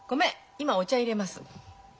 今お茶いれます。